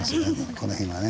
この辺はね。